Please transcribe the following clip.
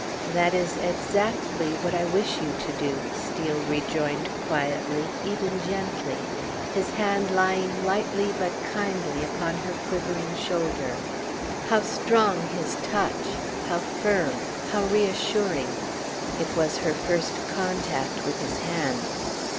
"That is exactly what I wish you to do," Steel rejoined quietly, even gently, his hand lying lightly but kindly upon her quivering shoulder. How strong his touch, how firm, how reassuring! It was her first contact with his hand.